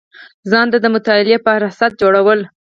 ځان ته د مطالعې فهرست جوړول